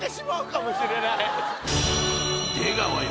［出川よ。